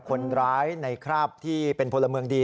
คนร้ายในคราบที่เป็นพลเมืองดี